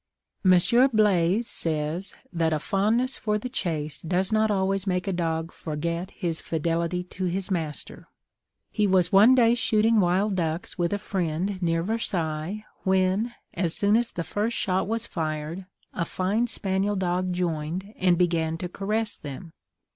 Mons. Blaze says, that a fondness for the chase does not always make a dog forget his fidelity to his master. He was one day shooting wild ducks with a friend near Versailles, when, as soon as the first shot was fired, a fine spaniel dog joined and began to caress them.